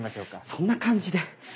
そんな感じで。